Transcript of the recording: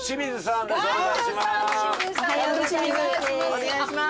お願いします。